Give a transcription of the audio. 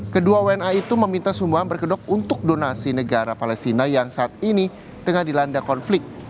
kedua wna itu meminta sumbangan berkedok untuk donasi negara palestina yang saat ini tengah dilanda konflik